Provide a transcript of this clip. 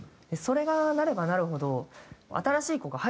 それがなればなるほど。